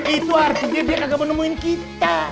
itu artinya dia kagak menemuin kita